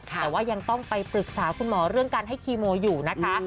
แต่ว่ายังต้องไปปรึกษาคุณหมอเรื่องการให้คีโมอยู่นะคะ